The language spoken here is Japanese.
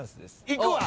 いくわ！